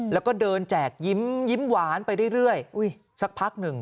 แล้วก็เดินแจกยิ้มหวานไปเรื่อยสักพักหนึ่ง